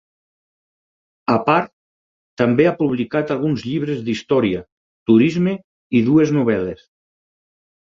A part, també ha publicat alguns llibres d'història, turisme i dues novel·les.